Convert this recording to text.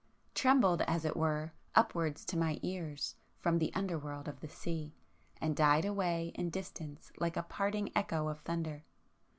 trembled as it were upwards to my ears from the underworld of the sea, and died away in distance like a parting echo of thunder.